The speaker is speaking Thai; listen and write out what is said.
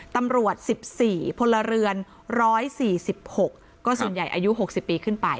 ตำรวจ๑๔พลเรือน๑๔๖ก็ส่วนใหญ่อายุ๖๐ปีขึ้นไป